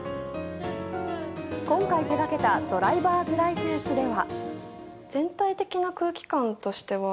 今回手掛けた「ドライバーズ・ライセンス」では。